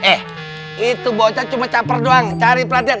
eh itu bocah cuma caper doang cari perhatian